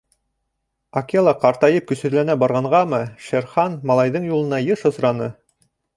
Акела ҡартайып, көсһөҙләнә барғанғамы, Шер Хан малайҙың юлында йыш осраны.